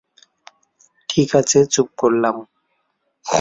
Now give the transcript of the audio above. ঠিক আছে, চুপ করলাম।